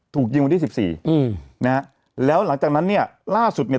ถูกยิงวันที่สิบสี่อืมนะฮะแล้วหลังจากนั้นเนี่ยล่าสุดเนี่ย